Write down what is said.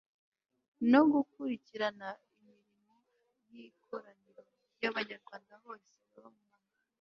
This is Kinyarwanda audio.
no gukurukirana imirimo y' ikoraniro ry'abanyarwanda bose baba mu mahanga